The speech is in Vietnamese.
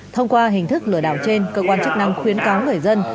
thông qua hình thức lừa đảo trên cơ quan chức năng khuyến cáo người dân